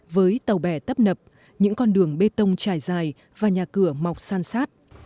với tàu bè tấp nập những con đường bê tông trải dài và nhà cửa mọc san sát